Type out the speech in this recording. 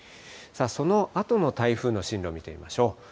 そのあとの台風の進路見てみましょう。